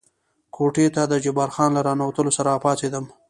کوټې ته د جبار خان له را ننوتلو سره را پاڅېدم.